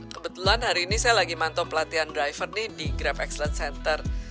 kebetulan hari ini saya lagi mantau pelatihan driver nih di grab excellence center